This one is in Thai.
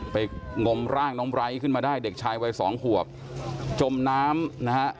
งมร่างน้องไบร์ทขึ้นมาได้เด็กชายวัยสองขวบจมน้ำนะฮะ